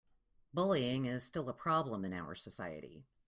Bullying is still a problem in our society.